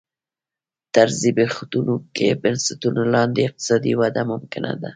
تر زبېښونکو بنسټونو لاندې اقتصادي وده ممکنه ده.